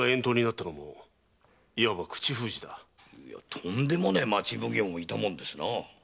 とんでもねえ町奉行もいたもんですな。